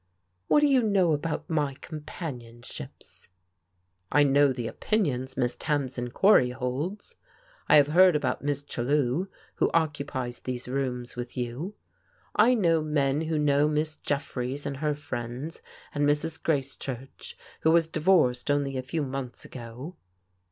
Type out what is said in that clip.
What do you know about my companionships?" I know the opinions Miss Tamsin Cory holds. I have heard about Miss Chellew, who occupies these rooms with you. I know men who know Miss Jeffreys and her friends, and Mrs. Gracechurch, who was di vorced only a few months ago."